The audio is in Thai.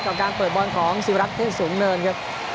กับการเปิดบอลของศิวรักษ์เทศสูงเนินครับ